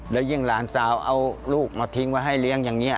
แล้วยิ่งหลานสาวเอาลูกมาทิ้งไว้ให้เลี้ยงอย่างนี้